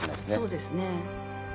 そうですね。